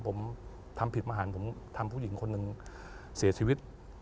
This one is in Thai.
ผมทำผิดมหารผมทำผู้หญิงคนหนึ่งเสียชีวิต